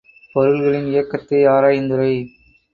பொருள்களின் இயக்கத்தை ஆராயுந்துறை.